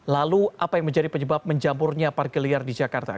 lalu apa yang menjadi penyebab menjamurnya parkir liar di jakarta